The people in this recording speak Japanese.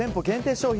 商品